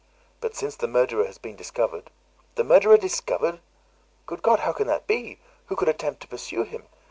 But since the murderer has been discovered—" "The murderer discovered! Good God! how can that be? who could attempt to pursue him?